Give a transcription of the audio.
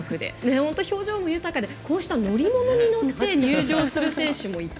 本当に表情も豊かで乗り物に乗って入場する選手もいて。